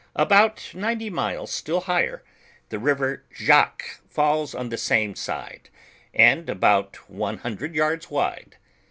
About ninety miles still higher, the river Jacque falls on the same side; and about one hundred yards wide.